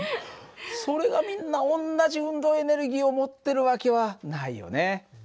それがみんな同じ運動エネルギーを持ってる訳はないよね。